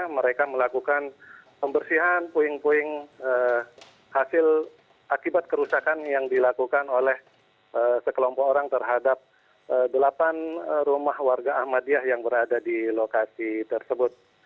mereka melakukan pembersihan puing puing hasil akibat kerusakan yang dilakukan oleh sekelompok orang terhadap delapan rumah warga ahmadiyah yang berada di lokasi tersebut